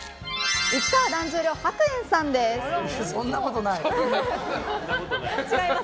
市川團十郎白猿さんです。